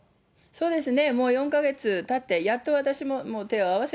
そうですね。